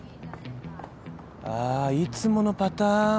あいつものパターン。